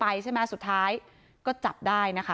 ไปโบกรถจักรยานยนต์ของชาวอายุขวบกว่าเองนะคะ